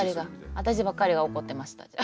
私ばっかりが怒ってました。